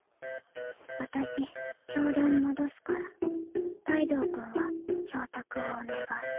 私教壇戻すからライドウ君は教卓をお願い。